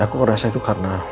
aku ngerasa itu karena